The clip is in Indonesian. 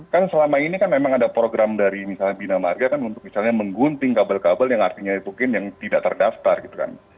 kan selama ini kan memang ada program dari misalnya bina marga kan untuk misalnya menggunting kabel kabel yang artinya mungkin yang tidak terdaftar gitu kan